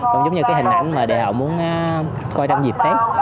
cũng giống như cái hình ảnh mà họ muốn coi trong dịp tết